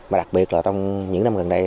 mà đặc biệt là trong những năm gần đây